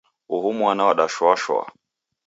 Uhu mwana wadashoashoa